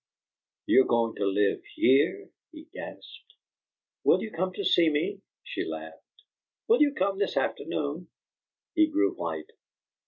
"You're going to live HERE?" he gasped. "Will you come to see me?" she laughed. "Will you come this afternoon?" He grew white.